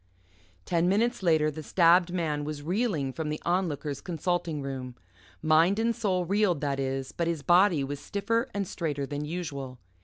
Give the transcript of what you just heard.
Ten minutes later, the stabbed man was reeling from the Onlooker's consulting room. Mind and soul reeled, that is, but his body was stiffer and straighter than usual.